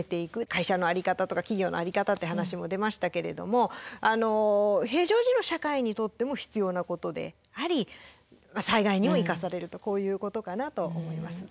会社の在り方とか企業の在り方って話も出ましたけれども平常時の社会にとっても必要なことであり災害にも生かされるとこういうことかなと思います。